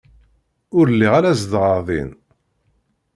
Ur lliɣ ara zedɣeɣ din.